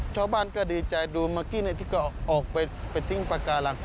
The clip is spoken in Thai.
ชาวบ้านก็ดีใจดูเมื่อกี้ที่ก็ออกไปทิ้งปากการัง